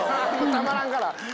たまらんから。